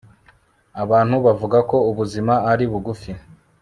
abantu bavuga ko ubuzima ari bugufi